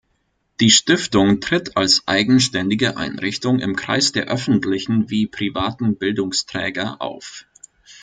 Die Stiftung tritt als eigenständige Einrichtung im Kreis der öffentlichen wie privaten Bildungsträger auf.